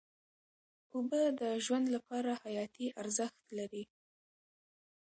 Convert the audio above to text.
اوبه د ژوند لپاره حیاتي ارزښت لري.